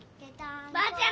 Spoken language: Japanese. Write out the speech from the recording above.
ばあちゃん